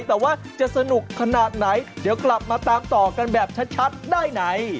แต่ว่าจะสนุกขนาดไหนเดี๋ยวกลับมาตามต่อกันแบบชัดได้ไหน